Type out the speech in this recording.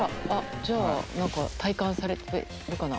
じゃあ何か体感されてるかな。